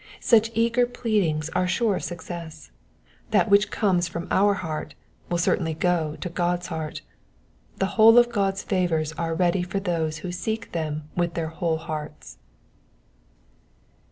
Such eager pleadings are sure of success ; that which comes from our heart will certainly go to God's heart. The whole of God's favours are ready for those who seek them with their whole hearts.